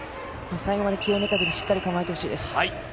最後まで気を抜かずにしっかり構えてほしいです。